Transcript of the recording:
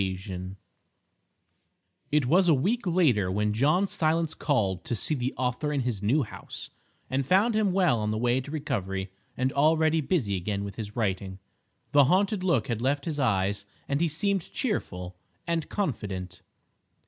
III It was a week later when John Silence called to see the author in his new house, and found him well on the way to recovery and already busy again with his writing. The haunted look had left his eyes, and he seemed cheerful and confident.